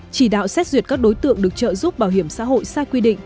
chỉ đạo xét duyệt các đối tượng được trợ giúp bảo hiểm xã hội sai quy định